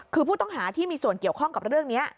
คือผู้ต้องหาที่มีส่วนเกี่ยวข้องกับเรื่องนี้